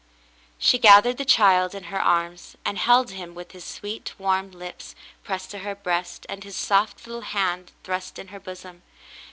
She gathered the child in her arms and held him with his sweet, warm lips pressed to her breast and his soft little hand thrust in her bosom.